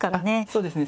そうですね